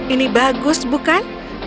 ini bagus bukan